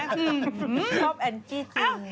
ชอบแอนจี้จริง